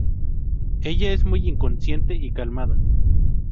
Ella es muy inocente y calmada.